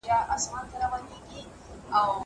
سیر وکړه.